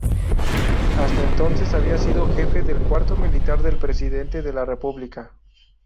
Hasta entonces había sido jefe del Cuarto militar del Presidente de la República.